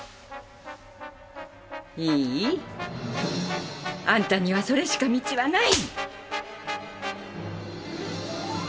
いい？あんたにはそれしか道はないの。